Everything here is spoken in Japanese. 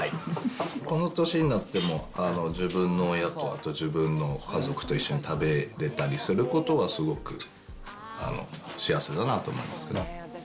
この年になっても、自分の親と、あと、自分の家族と一緒に食べれたりすることは、すごく幸せだなと思いますね。